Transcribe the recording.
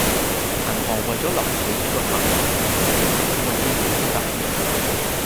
銀行為左留住你呢個客，申請成功嘅機會都大啲